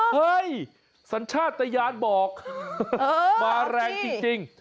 เฮ้ยสัญชาติตะยานบอกมาแรงจริง